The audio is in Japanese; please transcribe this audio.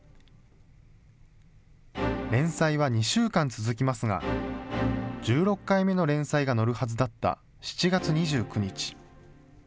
連載は２週間続きますが、１６回目の連載が載るはずだった７月２９日。